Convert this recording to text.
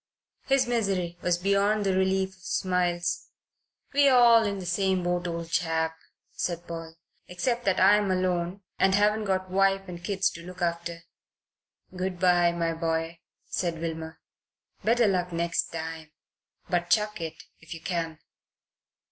His misery was beyond the relief of smiles. "We're all in the same boat, old chap," said Paul, "except that I'm alone and haven't got wife and kids to look after." "Good bye, my boy," said Wilmer. "Better luck next time. But chuck it, if you can."